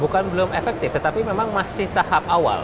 bukan belum efektif tetapi memang masih tahap awal